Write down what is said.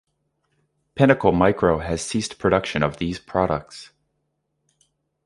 Pinnacle Micro has ceased production of these products.